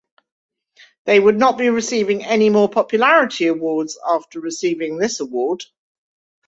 They would not be receiving any more popularity awards after receiving this award.